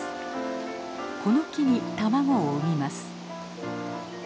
この木に卵を産みます。